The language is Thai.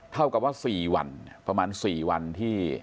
เท่ากับว่า๔วันประมาณ๔วันที่